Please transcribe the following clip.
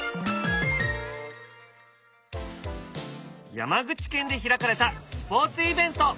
山口県で開かれたスポーツイベント。